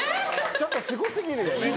ちょっとすご過ぎるよ。